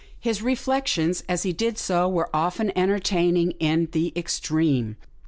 His reflections, as he did so, were often enter taining in the extreme.